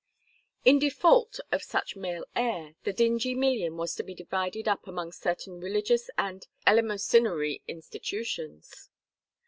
In default of such male heir, the Dingee million was to be divided up among certain religious and eleemosynary institutions.